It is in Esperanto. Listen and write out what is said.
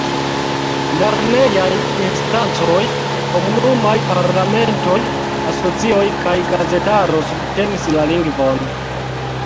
Lernejaj instancoj, komunumaj parlamentoj, asocioj kaj gazetaro subtenis la lingvon.